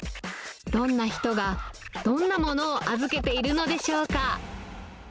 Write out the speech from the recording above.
どんな人が、どんな物を預けているのでしょうか。